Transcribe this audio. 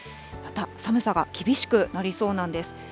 また寒さが厳しくなりそうなんです。